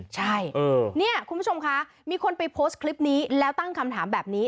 ใช่เนี่ยคุณผู้ชมคะมีคนไปโพสต์คลิปนี้แล้วตั้งคำถามแบบนี้